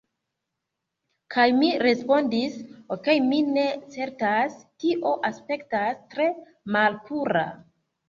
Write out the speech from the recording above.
Kaj mi respondis, "Okej' mi ne certas... tio aspektas tre malpura..."